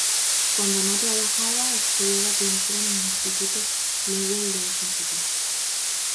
Cuando no trabajaba, estudiaba pintura en el instituto Lowell de esa ciudad.